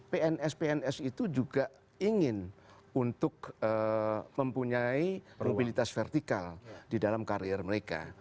pns pns itu juga ingin untuk mempunyai mobilitas vertikal di dalam karier mereka